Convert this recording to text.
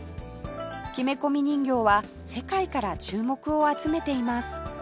木目込人形は世界から注目を集めています